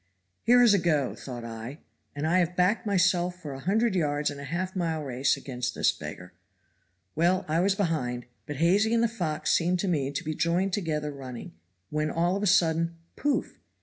'Here is a go,' thought I, 'and I have backed myself for a hundred pounds in a half mile race against this beggar.' Well, I was behind, but Hazy and the fox seemed to me to be joined together running, when all of a sudden pouff!